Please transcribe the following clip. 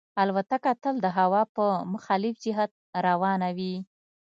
الوتکه تل د هوا په مخالف جهت روانه وي.